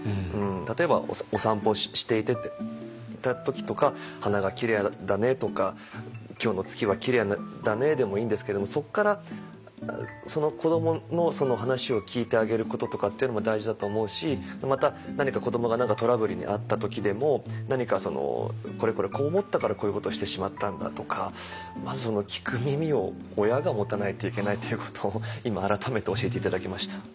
例えばお散歩していた時とか「花がきれいだね」とか「今日の月はきれいだね」でもいいんですけれどもそっから子どものその話を聞いてあげることとかっていうのも大事だと思うしまた何か子どもが何かトラブルに遭った時でも何かそのこれこれこう思ったからこういうことをしてしまったんだとかまず聞く耳を親が持たないといけないということを今改めて教えて頂きました。